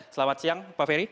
selamat siang pak ferry